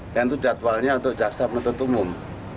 dan itu jadwalnya untuk jaksa penuntut umum